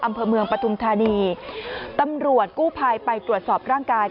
อำเภอเมืองปฐุมธานีตำรวจกู้ภัยไปตรวจสอบร่างกาย